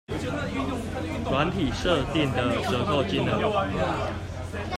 軟體設定的折扣金額